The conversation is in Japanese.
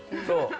そう。